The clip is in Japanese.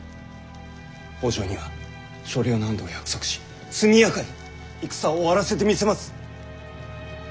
北条には所領の安堵を約束し速やかに戦を終わらせてみせます！